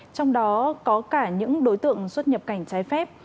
trong đó có cả những đối tượng xuất nhập cảnh trái phép